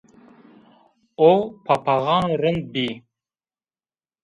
O papaxano rind bî